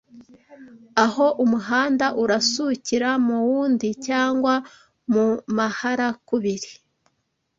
aho umuhanda urasukira mu wundi cyangwa mu maharakubiri